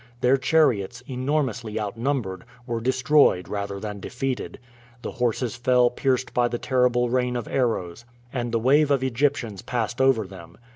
Their chariots, enormously outnumbered, were destroyed rather than defeated. The horses fell pierced by the terrible rain of arrows, and the wave of Egyptians passed over them.